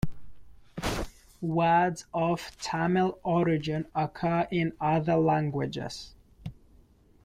Words of Tamil origin occur in other languages.